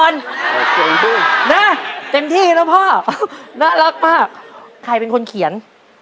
นะเต็มที่แล้วพ่อน่ารักมากใครเป็นคนเขียน